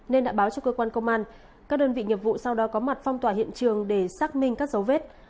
nên đã báo cho cơ quan công an các đơn vị nghiệp vụ sau đó có mặt phong tỏa hiện trường để xác minh các dấu vết